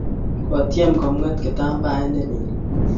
kotiem komwat kitambaet ne leel